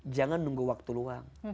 jangan nunggu waktu luang